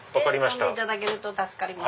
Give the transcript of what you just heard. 飲んでいただけると助かります。